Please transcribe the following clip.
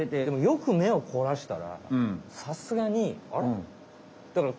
でもよく目をこらしたらさすがにあれ？